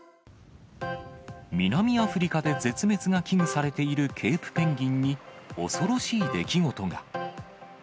南アフリカで絶滅が危惧されているケープペンギンに、恐ろしい出来事が。